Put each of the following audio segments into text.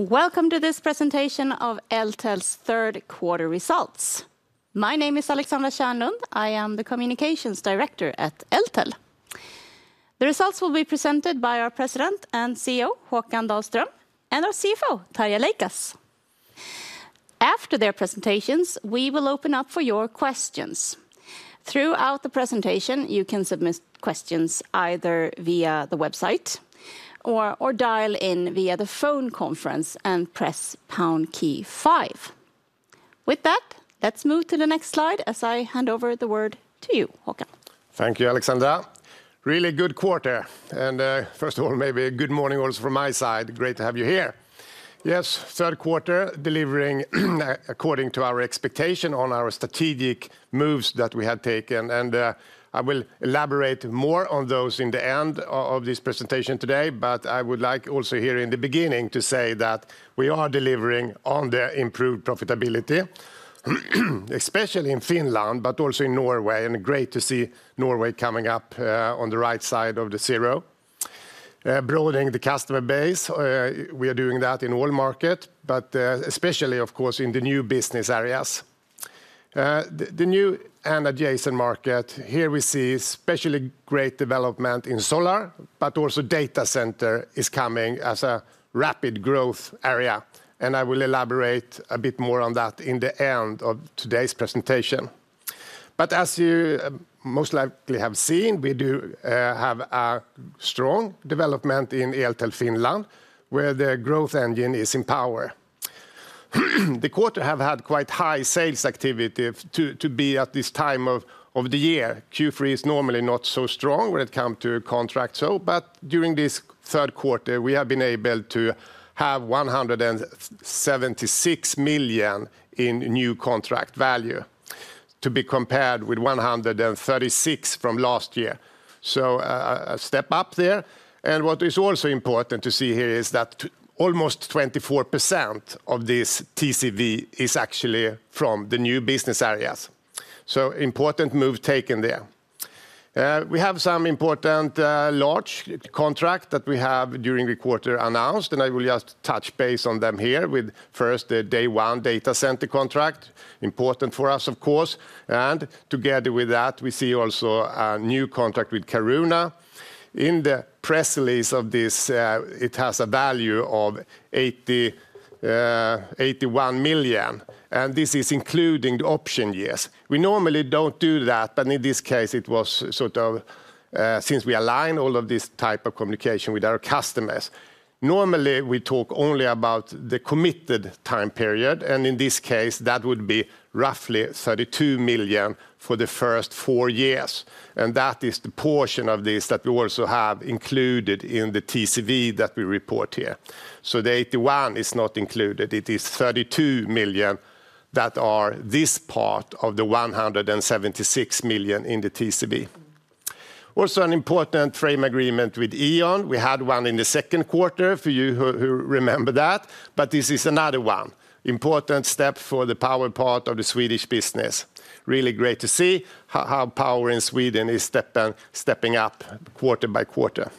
Welcome to this presentation of Eltel's third quarter results. My name is Alexandra Kärnlund. I am the Communications Director at Eltel. The results will be presented by our President and CEO, Håkan Dahlström, and our CFO, Tarja Leikas. After their presentations, we will open up for your questions. Throughout the presentation, you can submit questions either via the website or dial in via the phone conference and press pound key five. With that, let's move to the next slide as I hand over the word to you, Håkan. Thank you, Alexandra. Really good quarter. First of all, maybe a good morning also from my side. Great to have you here. Yes, third quarter delivering according to our expectation on our strategic moves that we had taken. I will elaborate more on those in the end of this presentation today. I would like also here in the beginning to say that we are delivering on the improved profitability, especially in Finland, but also in Norway. Great to see Norway coming up on the right side of the zero. Broadening the customer base, we are doing that in all markets, but especially, of course, in the new business areas. The new and adjacent market, here we see especially great development in solar, but also data center is coming as a rapid growth area. I will elaborate a bit more on that in the end of today's presentation. As you most likely have seen, we do have a strong development in Eltel Finland, where the growth engine is in power. The quarter has had quite high sales activity to be at this time of the year. Q3 is normally not so strong when it comes to contracts. During this third quarter, we have been able to have 176 million in new contract value to be compared with 136 million from last year. A step up there. What is also important to see here is that almost 24% of this TCV is actually from the new business areas. Important move taken there. We have some important large contracts that we have during the quarter announced. I will just touch base on them here with first the DayOne data center contract, important for us, of course. Together with that, we see also a new contract with Caruna. In the press release of this, it has a value of 81 million. This is including the option years. We normally don't do that, but in this case, it was sort of since we align all of this type of communication with our customers. Normally, we talk only about the committed time period. In this case, that would be roughly 32 million for the first four years. That is the portion of this that we also have included in the TCV that we report here. The 81 million is not included. It is 32 million that are this part of the 176 million in the TCV. Also an important frame agreement with E.ON. We had one in the second quarter for you who remember that. This is another one. Important step for the power part of the Swedish business. Really great to see how power in Sweden is stepping up quarter by quarter.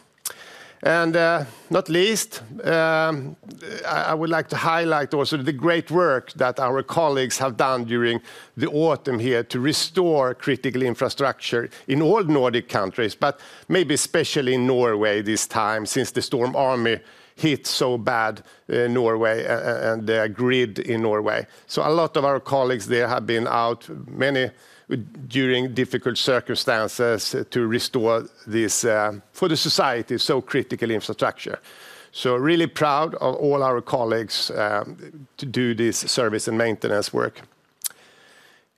Not least, I would like to highlight also the great work that our colleagues have done during the autumn here to restore critical infrastructure in all Nordic countries, but maybe especially in Norway this time since the storm hit so bad Norway and the grid in Norway. A lot of our colleagues there have been out many during difficult circumstances to restore this for the society, so critical infrastructure. I am really proud of all our colleagues to do this service and maintenance work.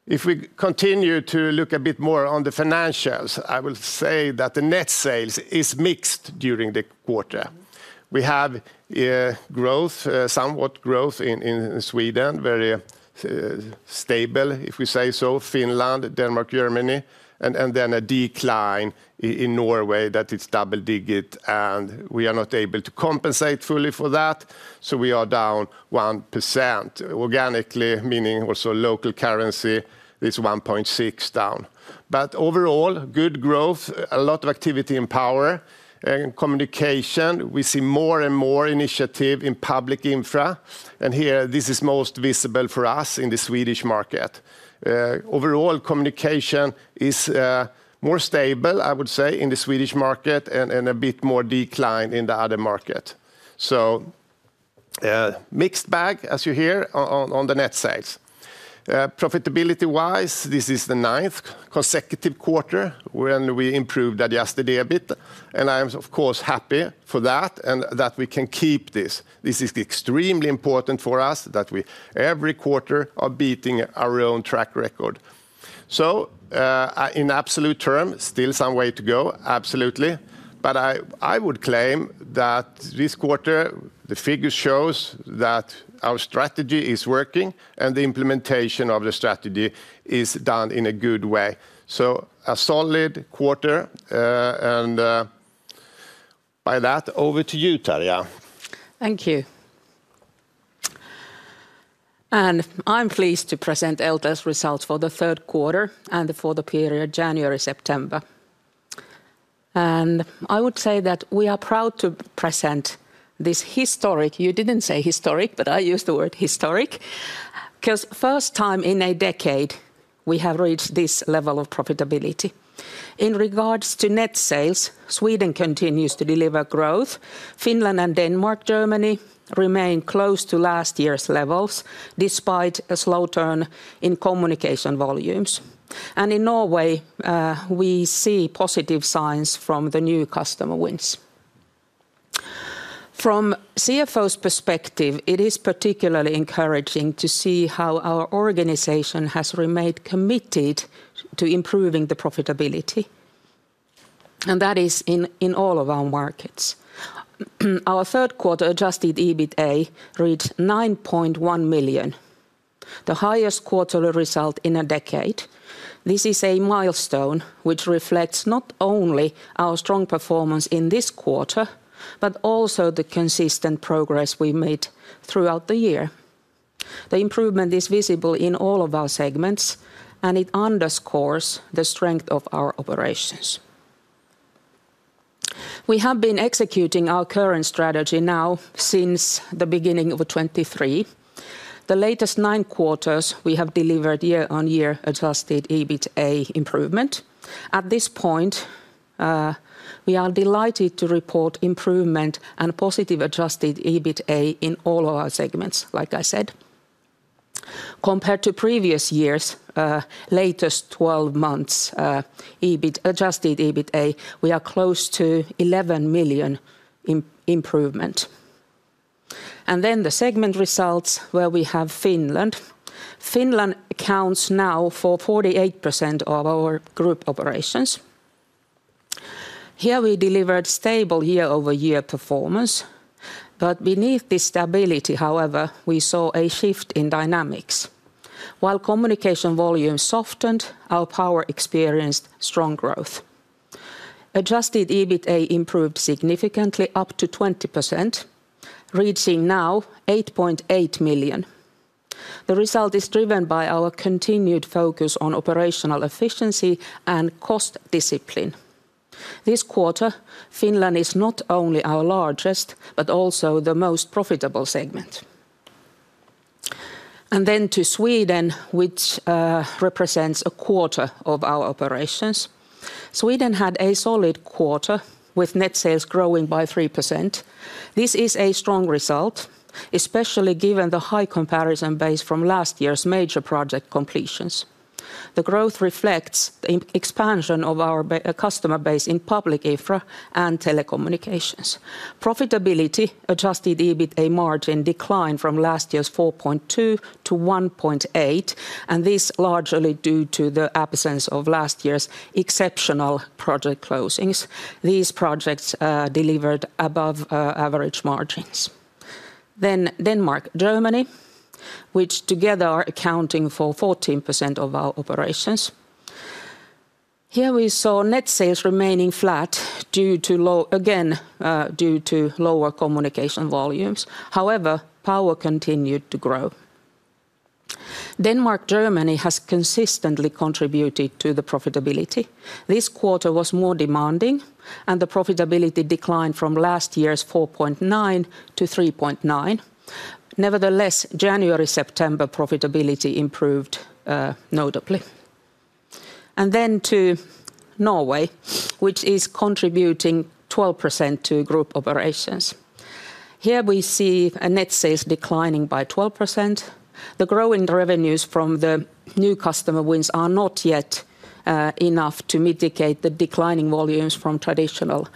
If we continue to look a bit more on the financials, I will say that the net sales is mixed during the quarter. We have growth, somewhat growth in Sweden, very stable, if we say so, Finland, Denmark, Germany, and then a decline in Norway that is double digit. We are not able to compensate fully for that. We are down 1% organically, meaning also local currency is 1.6% down. Overall, good growth, a lot of activity in power. In communication, we see more and more initiative in public infra. This is most visible for us in the Swedish market. Overall, communication is more stable, I would say, in the Swedish market and a bit more declined in the other markets. Mixed bag, as you hear, on the net sales. Profitability-wise, this is the ninth consecutive quarter when we improved that yesterday a bit. I am, of course, happy for that and that we can keep this. This is extremely important for us that we every quarter are beating our own track record. In absolute terms, still some way to go, absolutely. I would claim that this quarter, the figure shows that our strategy is working and the implementation of the strategy is done in a good way. A solid quarter. By that, over to you, Tarja. Thank you. I'm pleased to present Eltel's results for the third quarter and for the period January-September. I would say that we are proud to present this historic, you didn't say historic, but I used the word historic, because first time in a decade we have reached this level of profitability. In regards to net sales, Sweden continues to deliver growth. Finland and Denmark, Germany remain close to last year's levels despite a slow turn in communication volumes. In Norway, we see positive signs from the new customer wins. From CFO's perspective, it is particularly encouraging to see how our organization has remained committed to improving the profitability. That is in all of our markets. Our third quarter adjusted EBITDA reached 9.1 million, the highest quarterly result in a decade. This is a milestone which reflects not only our strong performance in this quarter, but also the consistent progress we made throughout the year. The improvement is visible in all of our segments, and it underscores the strength of our operations. We have been executing our current strategy now since the beginning of 2023. The latest nine quarters, we have delivered year-on-year adjusted EBITDA improvement. At this point, we are delighted to report improvement and positive adjusted EBITDA in all of our segments, like I said. Compared to previous years, latest 12 months adjusted EBITDA, we are close to 11 million in improvement. Then the segment results where we have Finland. Finland accounts now for 48% of our group operations. Here we delivered stable year-over-year performance. Beneath this stability, however, we saw a shift in dynamics. While communication volume softened, our power experienced strong growth. Adjusted EBITDA improved significantly up to 20%, reaching now 8.8 million. The result is driven by our continued focus on operational efficiency and cost discipline. This quarter, Finland is not only our largest, but also the most profitable segment. To Sweden, which represents a quarter of our operations. Sweden had a solid quarter with net sales growing by 3%. This is a strong result, especially given the high comparison base from last year's major project completions. The growth reflects the expansion of our customer base in public infra and telecommunications. Profitability, adjusted EBITDA margin declined from last year's 4.2% to 1.8%, and this is largely due to the absence of last year's exceptional project closings. These projects delivered above average margins. Denmark and Germany together are accounting for 14% of our operations. Here we saw net sales remaining flat due to, again, lower communication volumes. However, power continued to grow. Denmark and Germany have consistently contributed to the profitability. This quarter was more demanding, and the profitability declined from last year's 4.9% to 3.9%. Nevertheless, January-September profitability improved notably. To Norway, which is contributing 12% to group operations. Here we see net sales declining by 12%. The growing revenues from the new customer wins are not yet enough to mitigate the declining volumes from traditional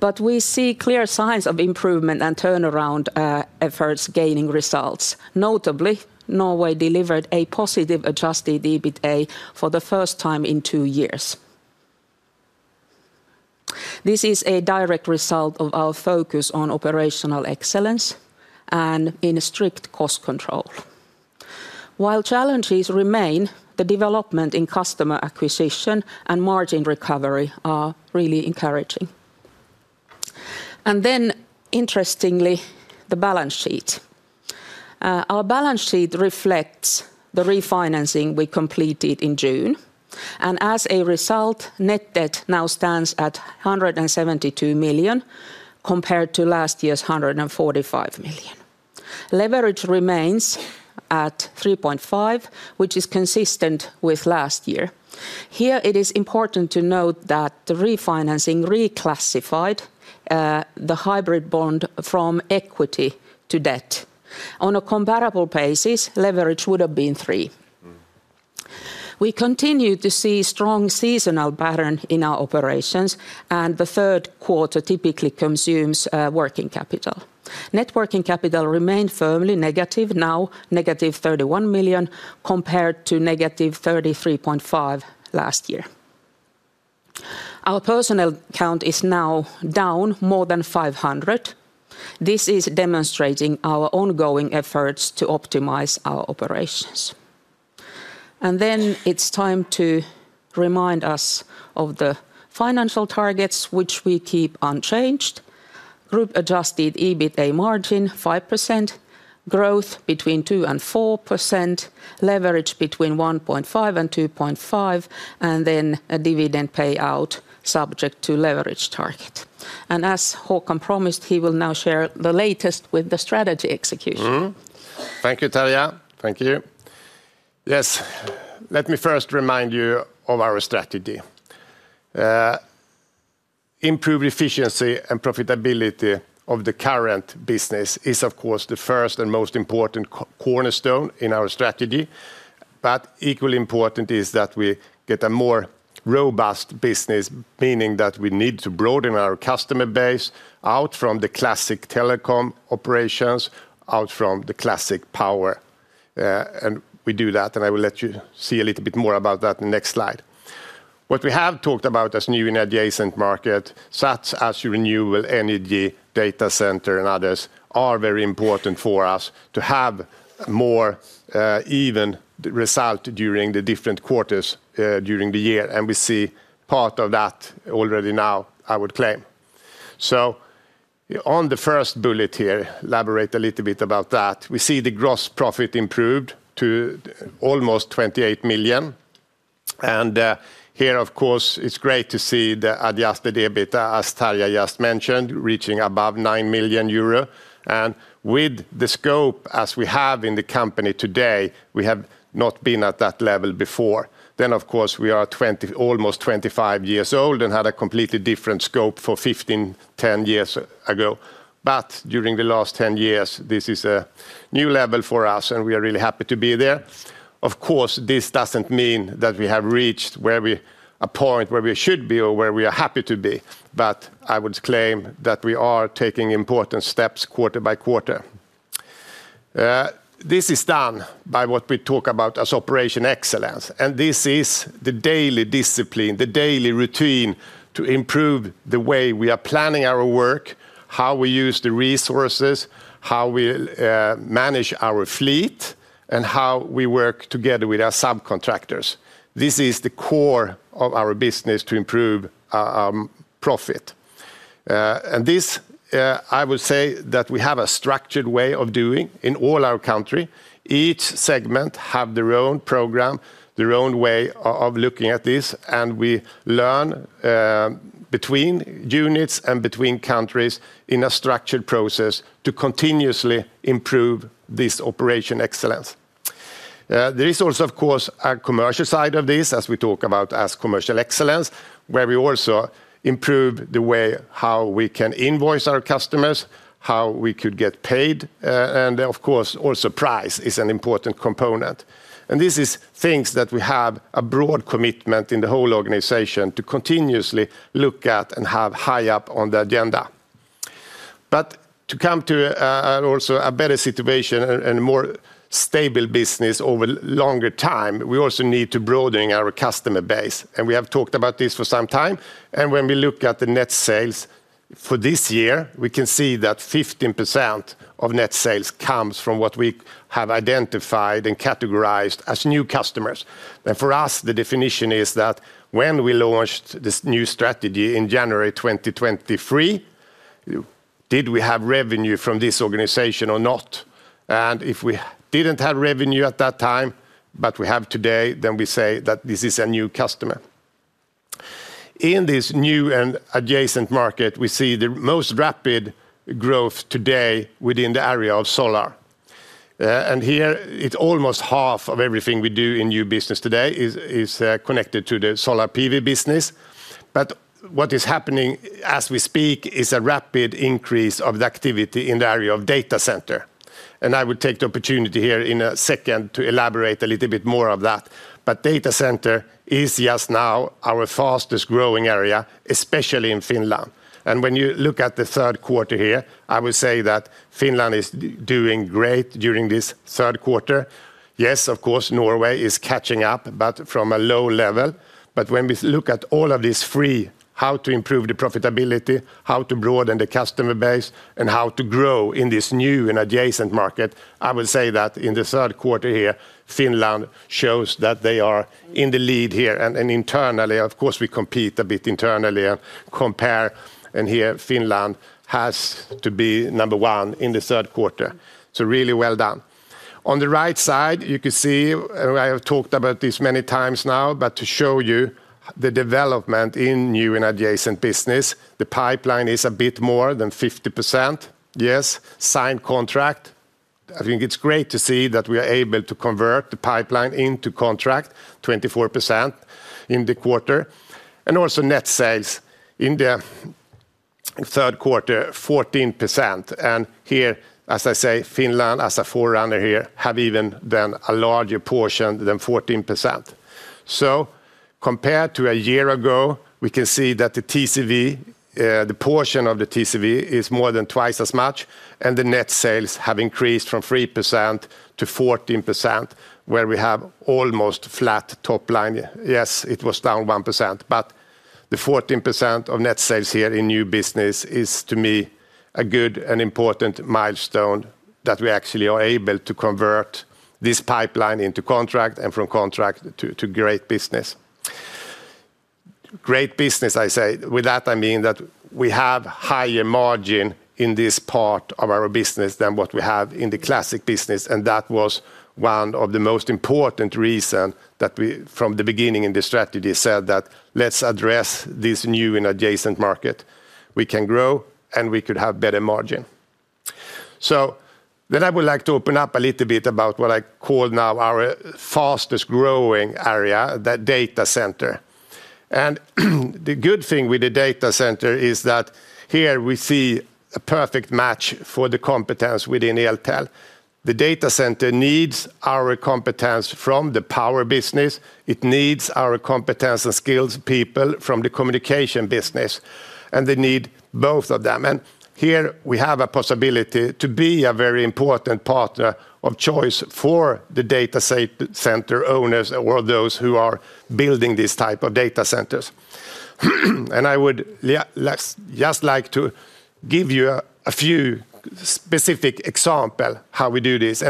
telecommunications. We see clear signs of improvement and turnaround efforts gaining results. Notably, Norway delivered a positive adjusted EBITDA for the first time in two years. This is a direct result of our focus on operational excellence and strict cost control. While challenges remain, the development in customer acquisition and margin recovery are really encouraging. The balance sheet reflects the refinancing we completed in June. As a result, net debt now stands at 172 million compared to last year's 145 million. Leverage remains at 3.5, which is consistent with last year. It is important to note that the refinancing reclassified the hybrid bond from equity to debt. On a comparable basis, leverage would have been 3. We continue to see strong seasonal patterns in our operations, and the third quarter typically consumes working capital. Net working capital remains firmly negative, now negative 31 million compared to negative 33.5 million last year. Our personnel account is now down more than 500. This is demonstrating our ongoing efforts to optimize our operations. It is time to remind us of the financial targets, which we keep unchanged: group adjusted EBITDA margin 5%, growth between 2% and 4%, leverage between 1.5 and 2.5, and a dividend payout subject to leverage target. As Håkan promised, he will now share the latest with the strategy execution. Thank you, Tarja. Thank you. Yes, let me first remind you of our strategy. Improved efficiency and profitability of the current business is, of course, the first and most important cornerstone in our strategy. Equally important is that we get a more robust business, meaning that we need to broaden our customer base out from the classic telecom operations, out from the classic power. We do that, and I will let you see a little bit more about that in the next slide. What we have talked about as new in adjacent markets, such as renewable energy, data centers, and others, are very important for us to have more even result during the different quarters during the year. We see part of that already now, I would claim. On the first bullet here, elaborate a little bit about that. We see the gross profit improved to almost 28 million. Here, of course, it's great to see the adjusted EBITDA, as Tarja just mentioned, reaching above 9 million euro. With the scope as we have in the company today, we have not been at that level before. We are almost 25 years old and had a completely different scope for 15, 10 years ago. During the last 10 years, this is a new level for us, and we are really happy to be there. This doesn't mean that we have reached a point where we should be or where we are happy to be. I would claim that we are taking important steps quarter by quarter. This is done by what we talk about as operation excellence. This is the daily discipline, the daily routine to improve the way we are planning our work, how we use the resources, how we manage our fleet, and how we work together with our subcontractors. This is the core of our business to improve our profit. I would say that we have a structured way of doing in all our country. Each segment has their own program, their own way of looking at this. We learn between units and between countries in a structured process to continuously improve this operation excellence. There is also, of course, a commercial side of this, as we talk about as commercial excellence, where we also improve the way how we can invoice our customers, how we could get paid. Of course, also price is an important component. These are things that we have a broad commitment in the whole organization to continuously look at and have high up on the agenda. To come to also a better situation and a more stable business over a longer time, we also need to broaden our customer base. We have talked about this for some time. When we look at the net sales for this year, we can see that 15% of net sales comes from what we have identified and categorized as new customers. For us, the definition is that when we launched this new strategy in January 2023, did we have revenue from this organization or not? If we didn't have revenue at that time, but we have today, then we say that this is a new customer. In this new and adjacent market, we see the most rapid growth today within the area of solar. Here, it's almost half of everything we do in new business today that is connected to the solar PV business. What is happening as we speak is a rapid increase of the activity in the area of data centers. I would take the opportunity here in a second to elaborate a little bit more on that. Data centers are just now our fastest growing area, especially in Finland. When you look at the third quarter here, I would say that Finland is doing great during this third quarter. Yes, of course, Norway is catching up, but from a low level. When we look at all of this, how to improve the profitability, how to broaden the customer base, and how to grow in this new and adjacent market, I would say that in the third quarter here, Finland shows that they are in the lead here. Internally, of course, we compete a bit internally and compare. Here, Finland has to be number one in the third quarter. Really well done. On the right side, you can see, and I have talked about this many times now, but to show you the development in new and adjacent business, the pipeline is a bit more than 50%. Yes, signed contract. I think it's great to see that we are able to convert the pipeline into contract, 24% in the quarter. Also, net sales in the third quarter, 14%. Here, as I say, Finland, as a forerunner here, have even done a larger portion than 14%. Compared to a year ago, we can see that the TCV, the portion of the TCV is more than twice as much. The net sales have increased from 3% to 14%, where we have almost flat top line. Yes, it was down 1%. The 14% of net sales here in new business is, to me, a good and important milestone that we actually are able to convert this pipeline into contract and from contract to great business. Great business, I say. With that, I mean that we have higher margin in this part of our business than what we have in the classic business. That was one of the most important reasons that we, from the beginning in the strategy, said that let's address this new and adjacent market. We can grow and we could have better margin. I would like to open up a little bit about what I call now our fastest growing area, the data center. The good thing with the data center is that here we see a perfect match for the competence within Eltel. The data center needs our competence from the power business. It needs our competence and skilled people from the communication business. They need both of them. Here we have a possibility to be a very important partner of choice for the data center owners or those who are building these types of data centers. I would just like to give you a few specific examples of how we do this.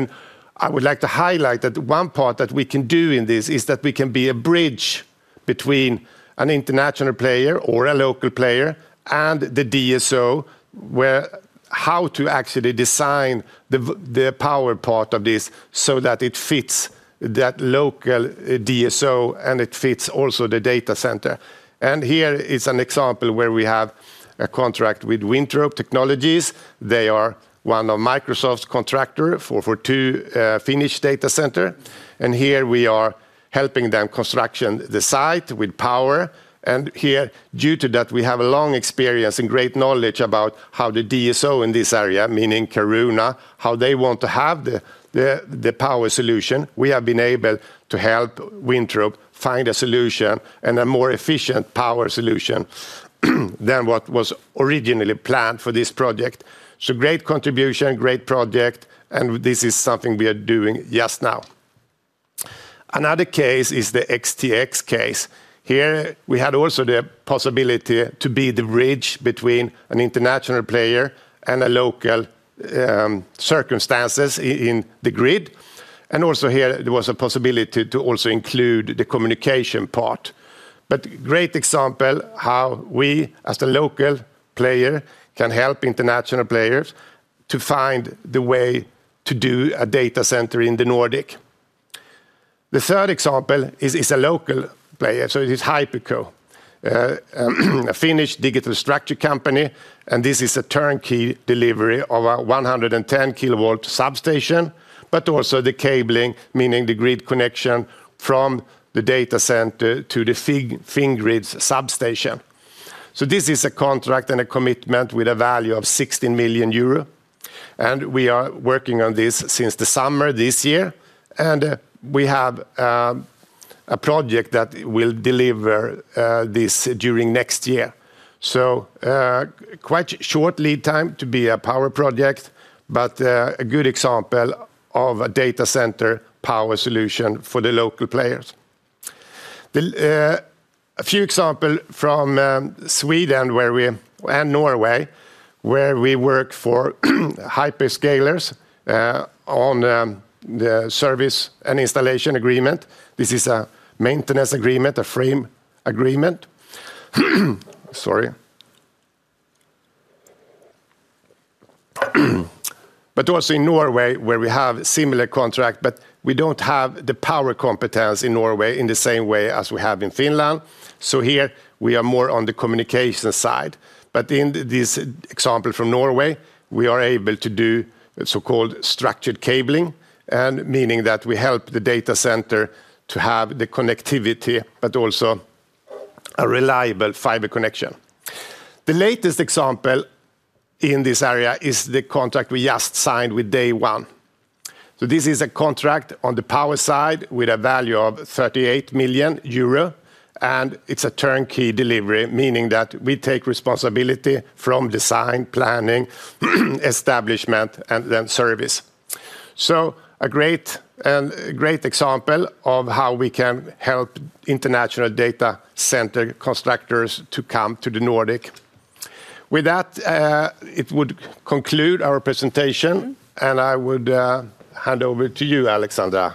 I would like to highlight that one part that we can do in this is that we can be a bridge between an international player or a local player and the DSO, where how to actually design the power part of this so that it fits that local DSO and it fits also the data center. Here is an example where we have a contract with Winthrop Technologies. They are one of Microsoft's contractors for two Finnish data centers. Here we are helping them construct the site with power. Due to that, we have a long experience and great knowledge about how the DSO in this area, meaning Caruna, how they want to have the power solution. We have been able to help Winthrop find a solution and a more efficient power solution than what was originally planned for this project. Great contribution, great project, and this is something we are doing just now. Another case is the XTX case. Here we had also the possibility to be the bridge between an international player and local circumstances in the grid. Also here there was a possibility to also include the communication part. Great example how we as a local player can help international players to find the way to do a data center in the Nordic. The third example is a local player, so it is Hyperco, a Finnish digital structure company. This is a turnkey delivery of a 110 kV substation, but also the cabling, meaning the grid connection from the data center to Fingrid's substation. This is a contract and a commitment with a value of 16 million euro. We are working on this since the summer this year. We have a project that will deliver this during next year. Quite a short lead time to be a power project, but a good example of a data center power solution for the local players. A few examples from Sweden and Norway, where we work for hyperscalers on the service and installation agreement. This is a maintenance agreement, a frame agreement. In Norway, we have a similar contract, but we don't have the power competence in Norway in the same way as we have in Finland. Here we are more on the communication side. In this example from Norway, we are able to do so-called structured cabling, meaning that we help the data center to have the connectivity, but also a reliable fiber connection. The latest example in this area is the contract we just signed with DayOne. This is a contract on the power side with a value of 38 million euro. It's a turnkey delivery, meaning that we take responsibility from design, planning, establishment, and then service. A great example of how we can help international data center contractors to come to the Nordic. With that, it would conclude our presentation, and I would hand over to you, Alexandra.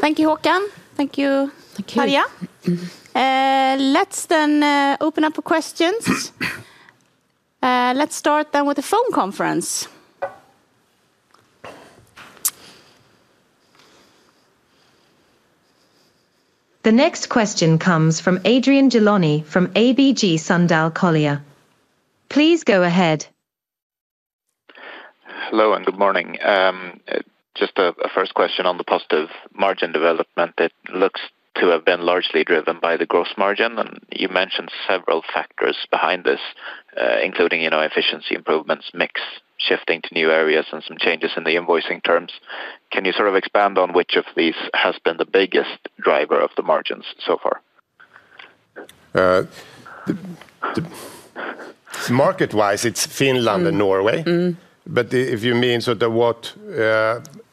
Thank you, Håkan. Thank you, Tarja. Let's then open up for questions. Let's start with a phone conference. The next question comes from Adrian Gilani from ABG Sundal Collier. Please go ahead. Hello and good morning. Just a first question on the positive margin development. It looks to have been largely driven by the gross margin. You mentioned several factors behind this, including efficiency improvements, mix shifting to new areas, and some changes in the invoicing terms. Can you sort of expand on which of these has been the biggest driver of the margins so far? Market-wise, it's Finland and Norway. If you mean sort of what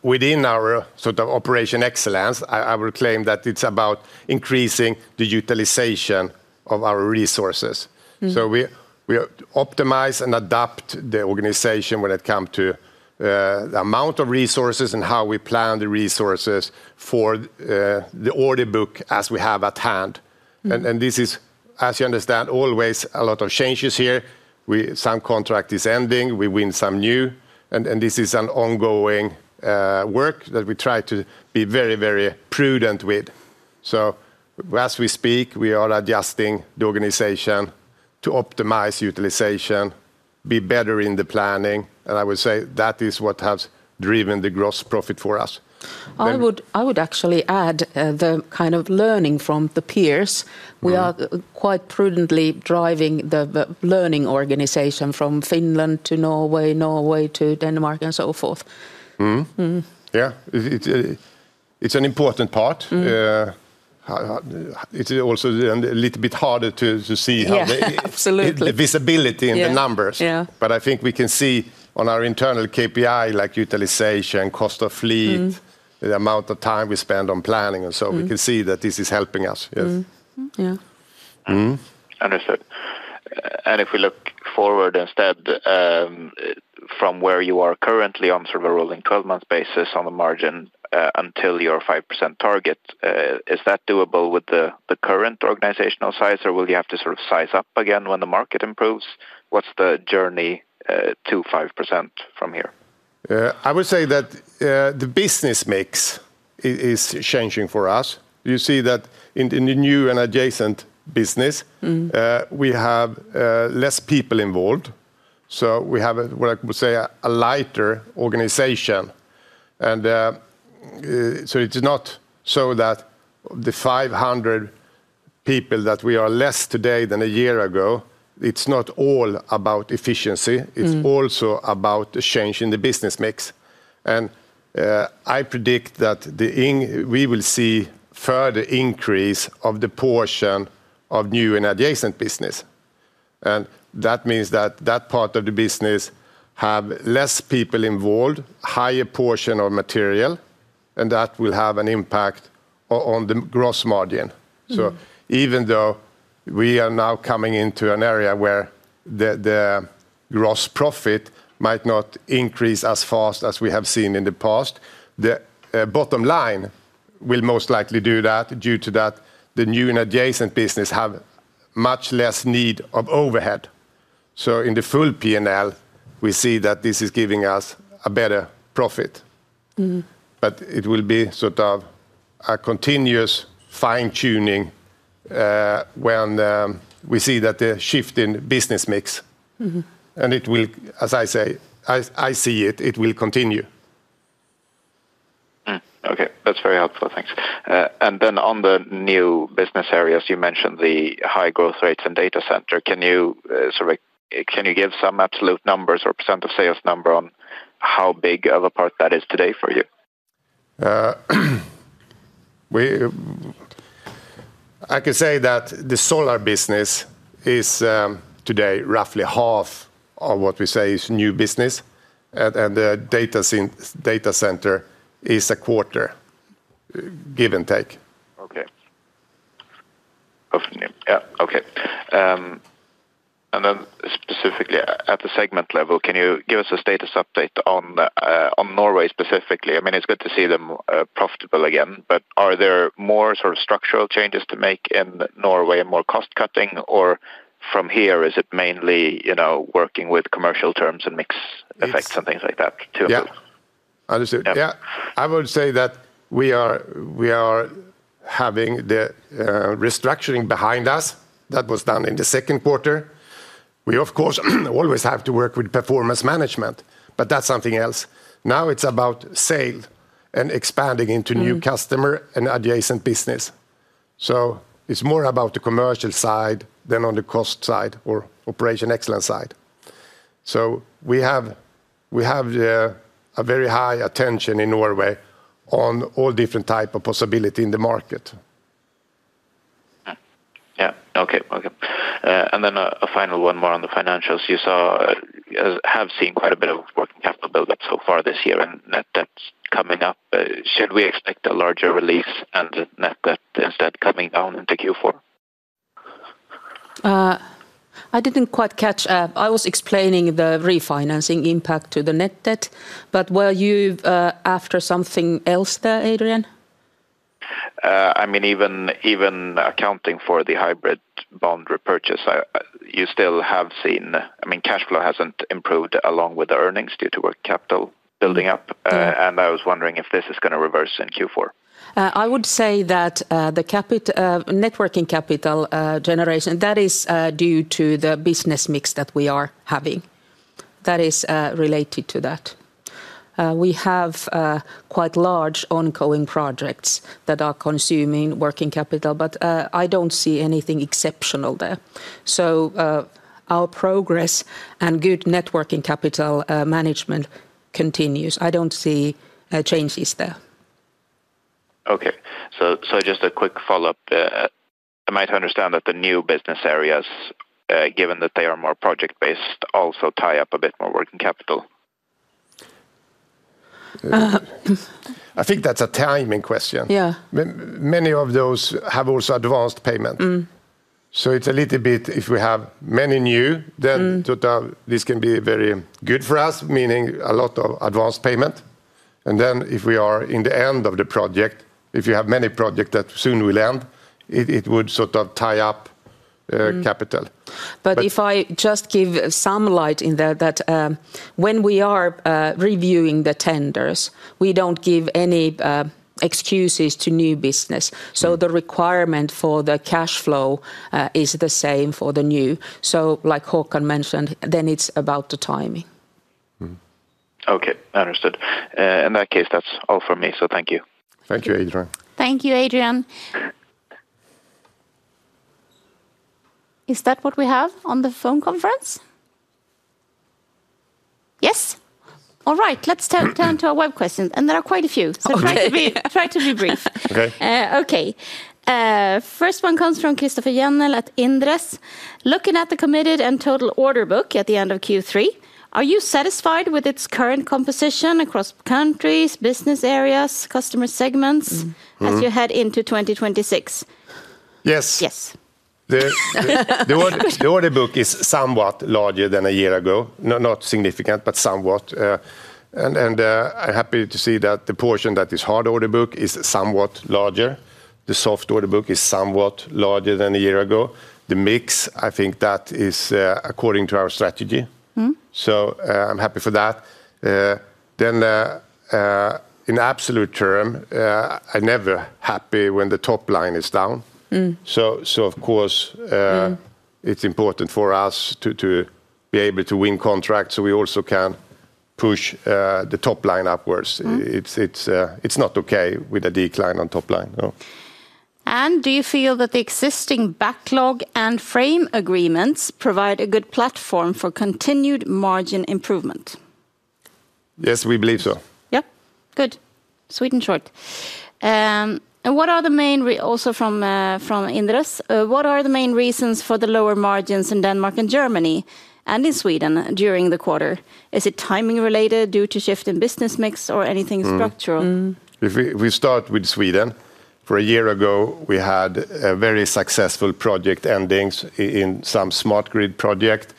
within our sort of operation excellence, I will claim that it's about increasing the utilization of our resources. We optimize and adapt the organization when it comes to the amount of resources and how we plan the resources for the order book as we have at hand. This is, as you understand, always a lot of changes here. Some contract is ending. We win some new. This is an ongoing work that we try to be very, very prudent with. As we speak, we are adjusting the organization to optimize utilization, be better in the planning. I would say that is what has driven the gross profit for us. I would actually add the kind of learning from the peers. We are quite prudently driving the learning organization from Finland to Norway, Norway to Denmark, and so forth. Yeah, it's an important part. It's also a little bit harder to see the visibility in the numbers. I think we can see on our internal KPI, like utilization, cost of fleet, the amount of time we spend on planning. We can see that this is helping us. If we look forward instead from where you are currently on sort of a rolling 12-month basis on the margin until your 5% target, is that doable with the current organizational size? Will you have to sort of size up again when the market improves? What's the journey to 5% from here? I would say that the business mix is changing for us. You see that in the new and adjacent business, we have less people involved. We have, what I would say, a lighter organization. It is not so that the 500 people that we are less today than a year ago, it's not all about efficiency. It is also about the change in the business mix. I predict that we will see a further increase of the portion of new and adjacent business. That means that part of the business has less people involved, a higher portion of material, and that will have an impact on the gross margin. Even though we are now coming into an area where the gross profit might not increase as fast as we have seen in the past, the bottom line will most likely do that due to the new and adjacent business having much less need of overhead. In the full P&L, we see that this is giving us a better profit. It will be sort of a continuous fine-tuning when we see the shift in business mix. As I see it, it will continue. OK, that's very helpful. Thanks. On the new business areas, you mentioned the high growth rates in data centers. Can you give some absolute numbers or percent of sales number on how big of a part that is today for you? I can say that the solar business is today roughly half of what we say is new business, and the data center is a quarter, give and take. OK. Specifically at the segment level, can you give us a status update on Norway specifically? I mean, it's good to see them profitable again. Are there more sort of structural changes to make in Norway and more cost cutting? From here, is it mainly working with commercial terms and mix effects and things like that? Yeah, I understood. I would say that we are having the restructuring behind us that was done in the second quarter. We, of course, always have to work with performance management. That's something else. Now it's about sale and expanding into new customer and adjacent business. It's more about the commercial side than on the cost side or operation excellence side. We have a very high attention in Norway on all different types of possibilities in the market. OK. A final one more on the financials. You have seen quite a bit of working capital buildup so far this year and net debt coming up. Should we expect a larger release and net debt instead coming down into Q4? I didn't quite catch that. I was explaining the refinancing impact to the net debt. Were you after something else there, Adrian? Even accounting for the hybrid bond repurchase, you still have seen cash flow hasn't improved along with the earnings due to working capital building up. I was wondering if this is going to reverse in Q4. I would say that the networking capital generation, that is due to the business mix that we are having. That is related to that. We have quite large ongoing projects that are consuming working capital. I don't see anything exceptional there. Our progress and good networking capital management continues. I don't see changes there. OK. Just a quick follow-up. Am I to understand that the new business areas, given that they are more project-based, also tie up a bit more working capital? I think that's a timing question. Yeah. Many of those have also advanced payment. It's a little bit, if we have many new, then this can be very good for us, meaning a lot of advanced payment. If we are in the end of the project, if you have many projects that soon will end, it would sort of tie up capital. If I just give some light in there, when we are reviewing the tenders, we don't give any excuses to new business. The requirement for the cash flow is the same for the new. Like Håkan mentioned, then it's about the timing. OK, understood. In that case, that's all for me. Thank you. Thank you, Adrian. Thank you, Adrian. Is that what we have on the phone conference? Yes. All right, let's turn to our web questions. There are quite a few. Try to be brief. OK. First one comes from Christoffer Jennel at Inderes. Looking at the committed and total order book at the end of Q3, are you satisfied with its current composition across countries, business areas, customer segments as you head into 2026? Yes. Yes. The order book is somewhat larger than a year ago, not significant, but somewhat. I'm happy to see that the portion that is hard order book is somewhat larger. The soft order book is somewhat larger than a year ago. The mix, I think that is according to our strategy, so I'm happy for that. In absolute terms, I'm never happy when the top line is down. Of course, it's important for us to be able to win contracts so we also can push the top line upwards. It's not OK with a decline on top line. Do you feel that the existing backlog and frame agreements provide a good platform for continued margin improvement? Yes, we believe so. Yeah, good. Sweden short. What are the main, also from Indres, what are the main reasons for the lower margins in Denmark and Germany and in Sweden during the quarter? Is it timing related due to shift in business mix or anything structural? If we start with Sweden, a year ago, we had a very successful project ending in some smart grid project.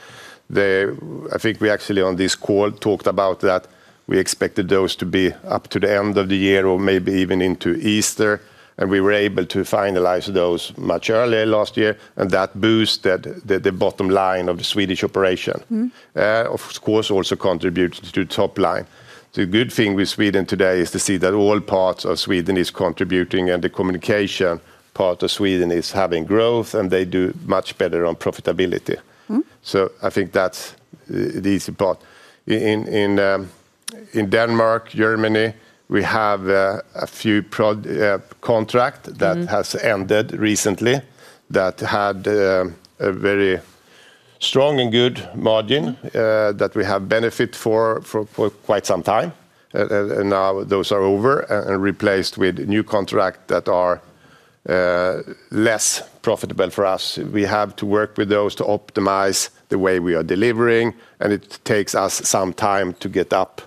I think we actually on this call talked about that. We expected those to be up to the end of the year or maybe even into Easter. We were able to finalize those much earlier last year, and that boosted the bottom line of the Swedish operation. Of course, it also contributed to top line. The good thing with Sweden today is to see that all parts of Sweden are contributing, and the communication part of Sweden is having growth, and they do much better on profitability. I think that's the easy part. In Denmark, Germany, we have a few contracts that have ended recently that had a very strong and good margin that we have benefited from for quite some time. Now those are over and replaced with new contracts that are less profitable for us. We have to work with those to optimize the way we are delivering. It takes us some time to get up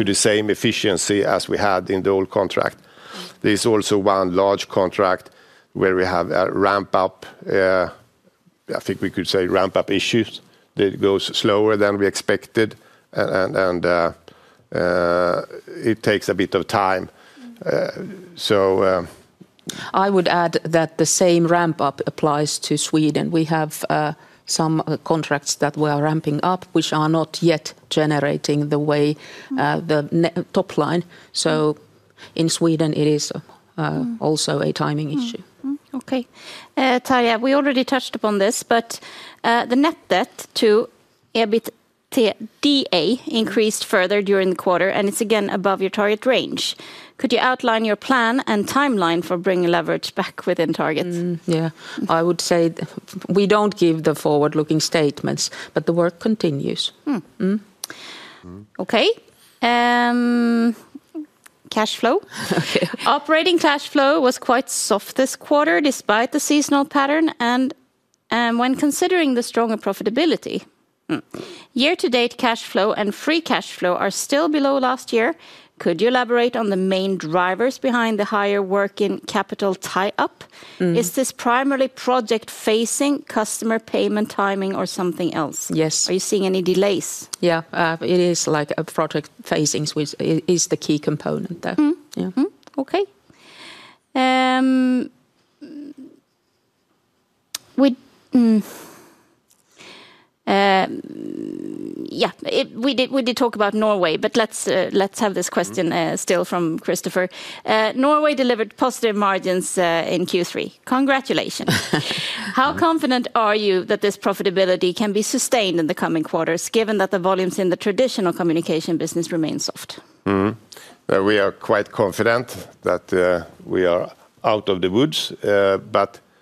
to the same efficiency as we had in the old contract. There is also one large contract where we have a ramp-up, I think we could say ramp-up issues that go slower than we expected. It takes a bit of time. I would add that the same ramp-up applies to Sweden. We have some contracts that we are ramping up which are not yet generating the way the top line. In Sweden, it is also a timing issue. OK. Tarja, we already touched upon this, but the net debt to EBITDA increased further during the quarter. It's again above your target range. Could you outline your plan and timeline for bringing leverage back within target? Yeah. I would say we don't give the forward-looking statements, but the work continues. OK. Cash flow. Operating cash flow was quite soft this quarter despite the seasonal pattern. When considering the stronger profitability, year-to-date cash flow and free cash flow are still below last year. Could you elaborate on the main drivers behind the higher working capital tie-up? Is this primarily project-facing customer payment timing or something else? Are you seeing any delays? Yeah, it is like a project-facing is the key component there. OK. We did talk about Norway, but let's have this question still from Christoffer. Norway delivered positive margins in Q3. Congratulations. How confident are you that this profitability can be sustained in the coming quarters, given that the volumes in the traditional communication business remain soft? We are quite confident that we are out of the woods.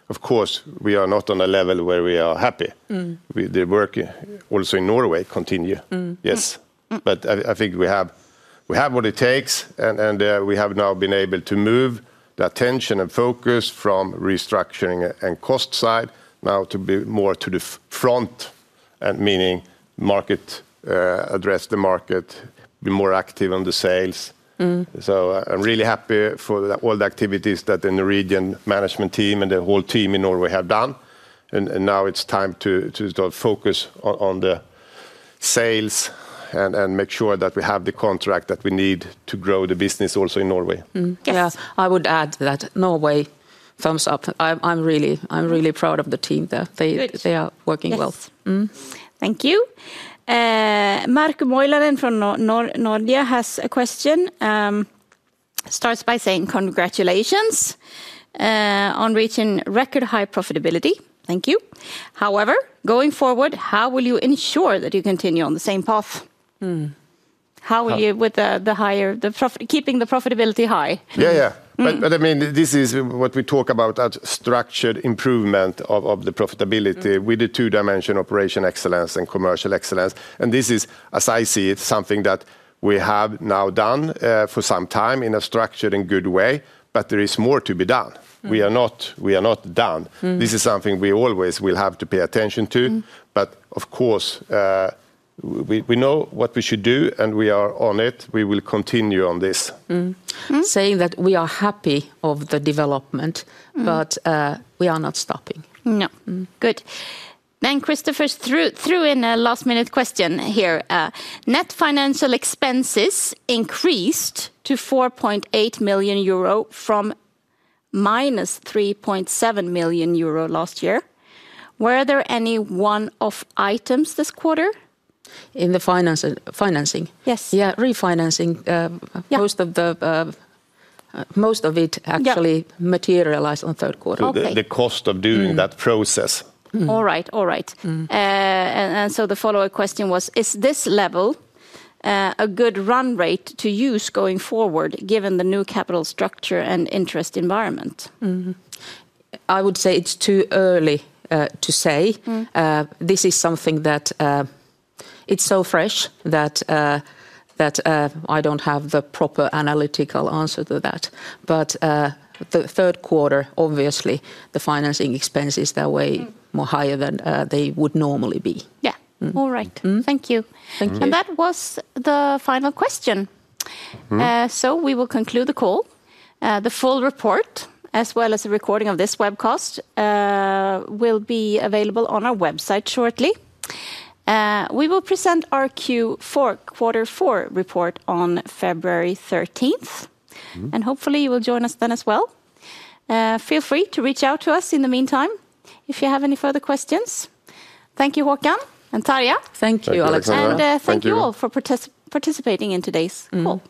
Of course, we are not on a level where we are happy. The work also in Norway continues. Yes. I think we have what it takes, and we have now been able to move the attention and focus from restructuring and cost side now to be more to the front, meaning market, address the market, be more active on the sales. I'm really happy for all the activities that the Norwegian management team and the whole team in Norway have done. Now it's time to focus on the sales and make sure that we have the contract that we need to grow the business also in Norway. Yes, I would add that Norway firms up. I'm really proud of the team there. They are working well. Thank you. Markku Moilanen from Nordea has a question. Starts by saying congratulations on reaching record high profitability. Thank you. However, going forward, how will you ensure that you continue on the same path? How will you keep the profitability high? Yeah, yeah. This is what we talk about as structured improvement of the profitability with the two-dimensional operation excellence and commercial excellence. This is, as I see it, something that we have now done for some time in a structured and good way. There is more to be done. We are not done. This is something we always will have to pay attention to. Of course, we know what we should do and we are on it. We will continue on this. Saying that we are happy of the development, but we are not stopping. No. Christoffer threw in a last-minute question here. Net financial expenses increased to 4.8 million euro from -3.7 million euro last year. Were there any one-off items this quarter in the financing? Yes. Yeah, refinancing. Most of it actually materialized on third quarter. The cost of doing that process. All right. The follow-up question was, is this level a good run rate to use going forward, given the new capital structure and interest environment? I would say it's too early to say. This is something that is so fresh that I don't have the proper analytical answer to that. The third quarter, obviously, the financing expenses that way are higher than they would normally be. All right. Thank you. That was the final question. We will conclude the call. The full report, as well as a recording of this webcast, will be available on our website shortly. We will present our Q4 report on February 13th. Hopefully, you will join us then as well. Feel free to reach out to us in the meantime if you have any further questions. Thank you, Håkan and Tarja. Thank you, Alexandra. Thank you all for participating in today's call.